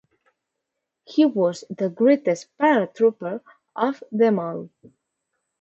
He was the greatest paratrooper of them all.